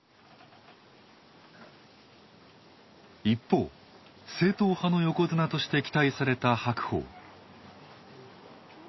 一方正統派の横綱として期待された白鵬。